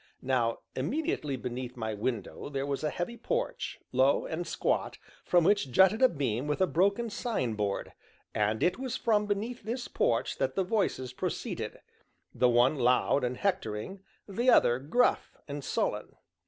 Now, immediately beneath my window there was a heavy porch, low and squat, from which jutted a beam with a broken sign board, and it was from beneath this porch that the voices proceeded, the one loud and hectoring, the other gruff and sullen.